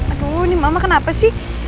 aduh ini mama kenapa sih